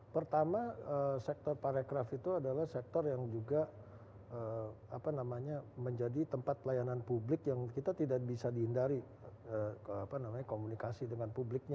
pertama sektor parekraf itu adalah sektor yang juga menjadi tempat pelayanan publik yang kita tidak bisa dihindari komunikasi dengan publiknya